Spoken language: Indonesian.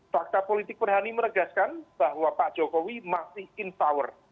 fakta politik perhani meregaskan bahwa pak jokowi masih in power